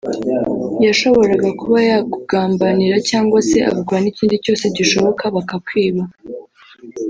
yashoboraga kuba yakugambanira cyangwa se agakora n’ikindi cyose gishoboka bakakwiba